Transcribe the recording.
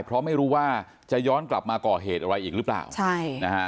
เพราะไม่รู้ว่าจะย้อนกลับมาก่อเหตุอะไรอีกหรือเปล่าใช่นะฮะ